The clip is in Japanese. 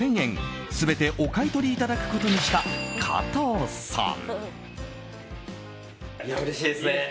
全てお買い取りいただくことにした加藤さん。